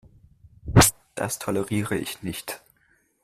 Das toleriere ich nicht.